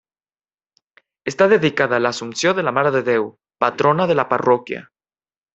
Està dedicada a l'Assumpció de la Mare de Déu, patrona de la parròquia.